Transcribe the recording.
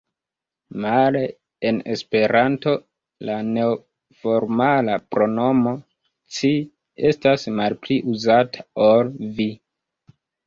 Male en Esperanto, la neformala pronomo „ci“ estas malpli uzata ol „vi“.